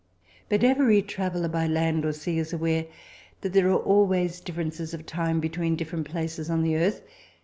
But every traveller by land or sea is aware that there are always differences of time between different places on the earth.